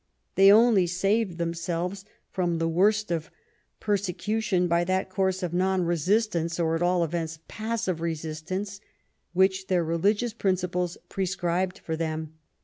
They only saved themselves 79 THE REIGN OF QUEEN ANNE from the worst of persecution by that course of non resistance, or, at all events, passive resistance, which their religious principles prescribed for them.